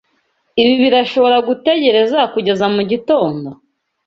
Ibi birashobora gutegereza kugeza mugitondo?